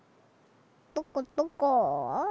どこどこ？